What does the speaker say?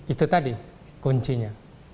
itu tadi kuncinya